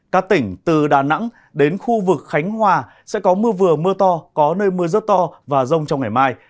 các tỉnh từ đà nẵng đến khu vực khánh hòa sẽ có mưa vừa mưa to có nơi mưa rất to và rông trong ngày mai